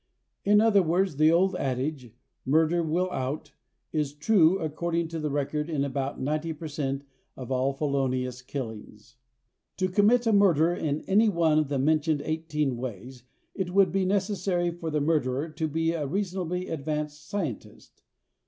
In other words the old adage, "Murder Will Out," is true according to the record in about ninety percent of all felonious killings. To commit a murder in any one of the mentioned eighteen ways it would be necessary for the murderer to be a reasonably advanced scientist.